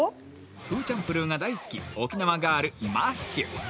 フーチャンプルーが大好き沖縄ガール、マッシュ。